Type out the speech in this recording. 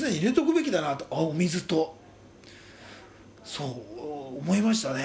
そう思いましたね。